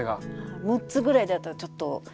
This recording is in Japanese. ６つぐらいだったらちょっとすごく波打つ。